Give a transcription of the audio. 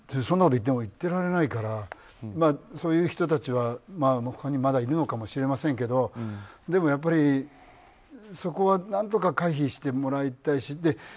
そんなことをでも言ってられないからそういう人たちは他にもまだいるのかもしれませんけどでも、やっぱりそこは何とか回避してもらいたいし。